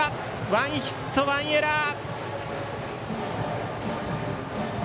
ワンヒット、ワンエラー。